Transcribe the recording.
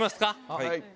はい。